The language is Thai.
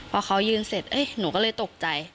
พอเขายืนเสร็จหนูก็เลยตกใจ